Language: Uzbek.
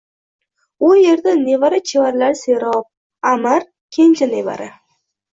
u yerda nevara-chevaralari serob. Аmir — kenja nevara.